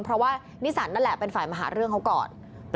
เพราะว่านิสันนั่นแหละเป็นฝ่ายมาหาเรื่องเขาก่อน